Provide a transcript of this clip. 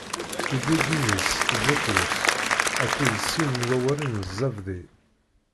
Iwwi yid-s Buṭrus akked sin n warraw-nni n Zabdi.